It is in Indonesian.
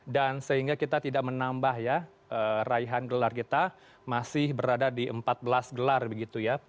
dan sehingga kita tidak menambah ya raihan gelar kita masih berada di empat belas gelar begitu ya